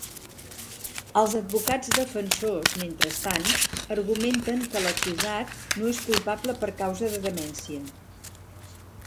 Els advocats defensors, mentrestant, argumenten que l'acusat no és culpable per causa de demència.